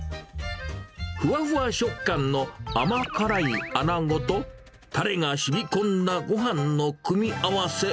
ふわふわ食感の甘辛いアナゴと、たれがしみこんだごはんの組み合わせ。